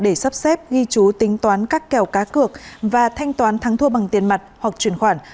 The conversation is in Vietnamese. để sắp xếp ghi chú tính toán các kèo cá cược và thanh toán thắng thua bằng tiền mặt hoặc chuyển khoản